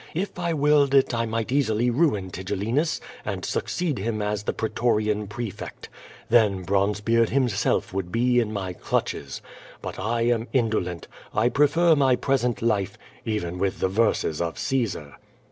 If I willed it I might easily ruin Tigellinus and succeed him as the pretorian prefect. Then Bronzebeard himself would be in my clutches. But I am indolent. 1 pre fer my present life, even with the verses of Caesar."